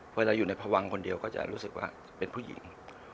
เวลาอยู่ในพวังคนเดียวก็จะรู้สึกว่าเป็นผู้หญิง